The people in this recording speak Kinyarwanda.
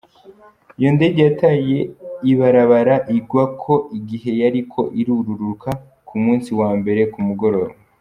Iyo ndege yataye ibarabara igwako, igihe yariko irururuka ku munsi wa mbere ku mugoroba.